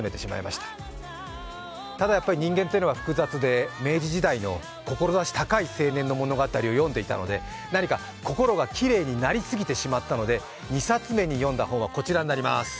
ただ、やはり人間というのは複雑で、明治時代の志高い青年の物語を読んでいたので何か心がきれいになりすぎてしまったので２冊目に読んだ本はこちらになります。